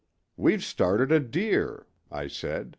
"'We've started a deer,' I said.